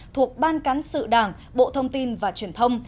thuộc ban cán sự đảng bộ thông tin và truyền thông